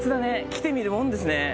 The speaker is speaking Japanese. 来てみるもんですね。